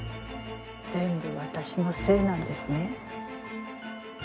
全部私のせいなんですね。